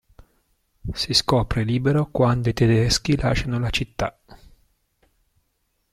Si scopre libero quando i tedeschi lasciano la città.